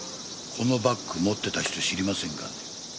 このバッグ持ってた人知りませんか？